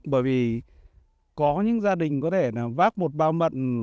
bởi vì có những gia đình có thể là vác một bao mận